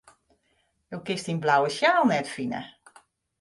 Do kinst dyn blauwe sjaal net fine.